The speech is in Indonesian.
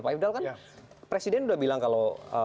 pak ifdal kan presiden sudah bilang kalau